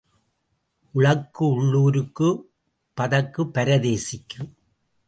உழக்கு உள்ளூருக்கு பதக்குப் பரதேசிக்கு.